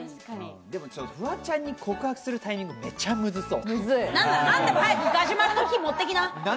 フワちゃんに告白するタイミング、めちゃムズそう。